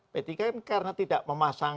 p tiga kan karena tidak memasang